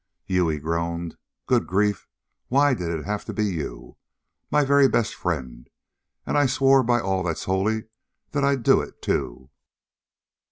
"You!" he groaned. "Good grief! Why did it have to be you, my very best friend? And I swore by all that's holy that I'd do it, too!"